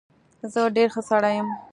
زه ډېر ښه سړى يم.